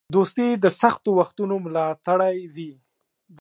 دوستي د سختو وختونو ملاتړی وي.